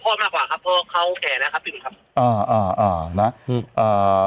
มากกว่าครับเพราะเขาแก่แล้วครับพี่หนุ่มครับอ่าอ่าอ่านะอ่า